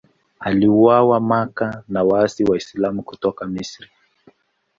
Aliuawa Makka na waasi Waislamu kutoka Misri.